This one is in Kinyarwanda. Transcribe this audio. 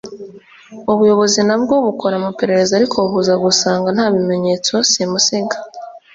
ubuyobozi na bwo bukora amaperereza ariko buza gusanga nta bimenyetso simusiga